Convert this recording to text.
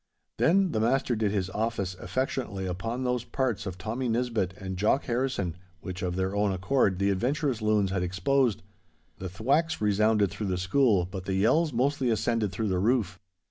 Then the master did his office affectionately upon those parts of Tommy Nisbett and Jock Harrison which of their own accord the adventurous loons had exposed. The thwacks resounded through the school, but the yells mostly ascended through the roof.